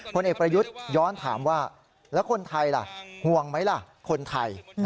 ผลเอกประยุทธ์ย้อนถามว่าแล้วคนไทยล่ะห่วงไหมล่ะคนไทย